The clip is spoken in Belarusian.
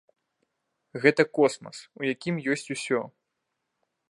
Гэта космас, у якім ёсць усё!